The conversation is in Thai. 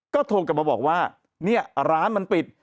ก็โทรกลับมาบอกว่าเนี่ยร้านมันปิด